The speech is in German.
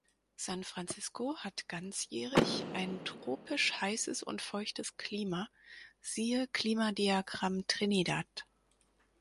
San Francisco hat ganzjährig ein tropisch heißes und feuchtes Klima (siehe Klimadiagramm Trinidad).